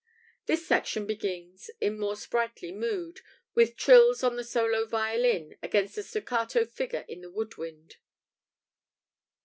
[This section begins, in more sprightly mood, with trills on the solo violin against a staccato figure in the wood wind.